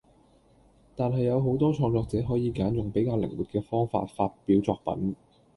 但係有好多創作者可以揀用比較靈活嘅方法發表作品